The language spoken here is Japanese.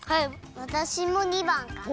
わたしも２ばんかな。